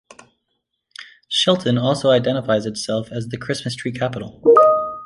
Shelton also identifies itself as the "Christmas Tree Capital".